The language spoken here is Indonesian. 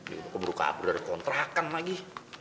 aku perlu keabur dan kontrakan lagi